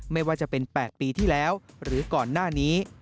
ไม่ว่าจะเป็น๘ปีที่แล้วหรือก่อนหน้านี้